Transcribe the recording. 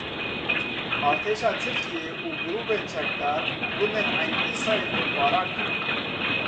Artêşa Tirkiyeyê û grûpên çekdar gundên Eyn Îsayê topbaran kirin.